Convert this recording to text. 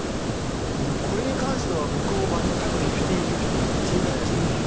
これに関しては僕も全くフィフティーフィフティーです。